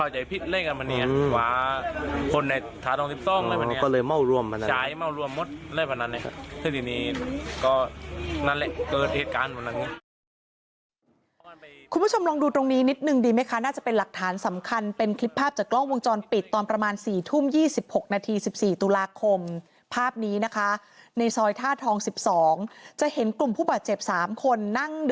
ชายเข้ามารวมหมดได้แบบนั้นถ้าที่นี้ก็นั่นแหละเกิดเหตุการณ์เหมือนนั้น